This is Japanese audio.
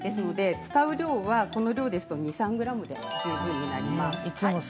使う量は、この量ですと２、３ｇぐらいで十分だと思います。